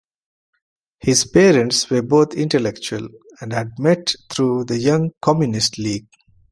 His parents were both intellectual and had met through the Young Communist League.